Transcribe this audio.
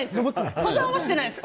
登山はしていないです。